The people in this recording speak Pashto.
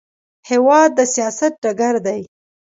هېواد د سیاست ډګر دی.